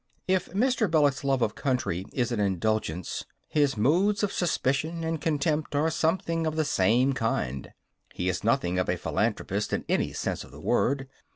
If Mr. Belloc's love of country is an indulgence, his moods of suspicion and contempt are something of the same kind. He is nothing of a philanthropist in any sense of the word.